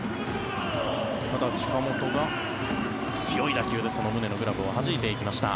ただ、近本が強い打球でその宗のグラブをはじいていきました。